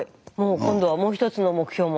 今度はもう一つの目標も。